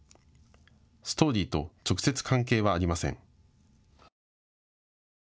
ストーリーと直接、関係はありません。